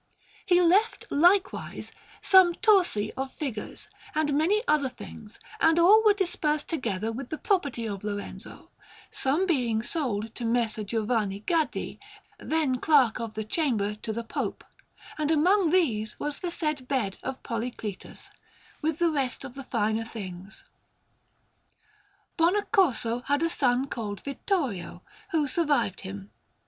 He left, likewise, some torsi of figures, and many other things; and all were dispersed together with the property of Lorenzo, some being sold to Messer Giovanni Gaddi, then Clerk of the Chamber to the Pope, and among these was the said bed of Polycletus, with the rest of the finer things. Bonaccorso had a son called Vittorio, who survived him.